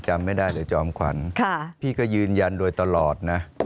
จำไม่ได้เลยจอมขวัญพี่ก็ยืนยันโดยตลอดนะ